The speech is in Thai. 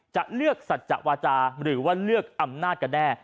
จะเลือกสัจจะวาจาหรือว่าเลือกอำนาจกันแน่